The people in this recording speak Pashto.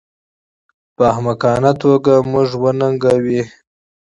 په احمقانه توګه موږ وننګوي